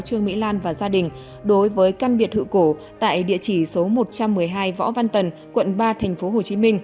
trương mỹ lan và gia đình đối với căn biệt thự cổ tại địa chỉ số một trăm một mươi hai võ văn tần quận ba tp hcm